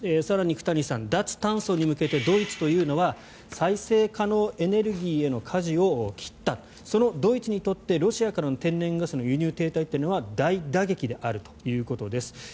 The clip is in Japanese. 更に久谷さん脱炭素に向けてドイツというのは再生可能エネルギーへのかじを切ったそのドイツにとってロシアからの天然ガスの輸入停滞は大打撃であるということです。